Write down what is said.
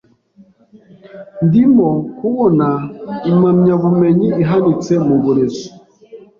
Ndimo kubona impamyabumenyi ihanitse mu burezi. (weihaiping)